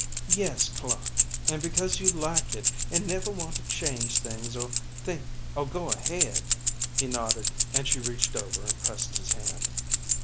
"Yes, Clark; and because you like it and never want to change things or think or go ahead." He nodded and she reached over and pressed his hand.